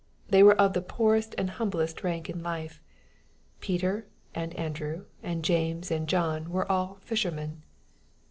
They were of the poorest and humblest rank in life. Peter, and Andrew, and James, and John, were all ^^ fishermen."